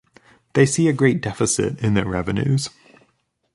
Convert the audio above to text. They see a great deficit in their revenues.